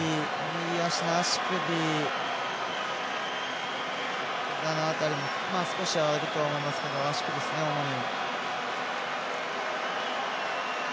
右足の足首、ひざの辺りも少しはあると思いますけど足首ですね、主に。